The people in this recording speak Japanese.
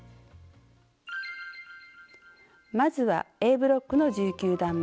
まずはＡブロックの１９段め。